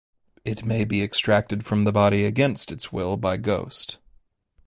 It may be extracted from the body against its will by ghost.